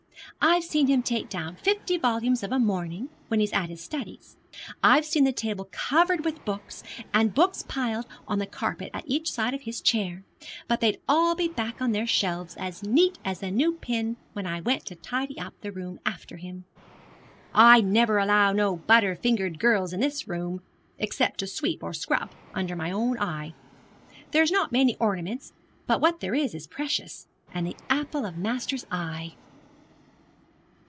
'I've seen him take down fifty volumes of a morning, when he's at his studies. I've seen the table covered with books, and books piled up on the carpet at each side of his chair, but they'd all be back on their shelves, as neat as a new pin, when I went to tidy up the room after him. I never allow no butter fingered girls in this room, except to sweep or scrub, under my own eye. There's not many ornaments, but what there is is precious, and the apple of master's eye.'